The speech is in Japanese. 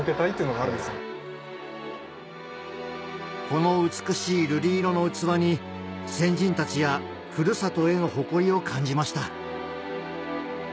この美しい瑠璃色の器に先人たちや古里への誇りを感じました